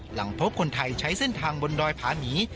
หลังพบคนไทยใช้เส้นทางบนดอยผาหมี